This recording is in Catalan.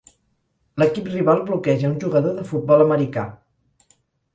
L'equip rival bloqueja un jugador de futbol americà.